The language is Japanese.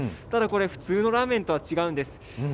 ただこれ、普通のラーメンとは違うんです。